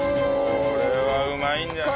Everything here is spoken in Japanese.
これはうまいんじゃない？